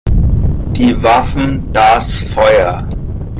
Die Waffen, das Feuer!